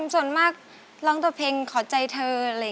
ส่วนมากร้องแต่เพลงขอใจเธอ